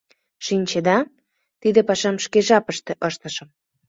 Шинчеда, тиде пашам шке жапыштыже ыштышым.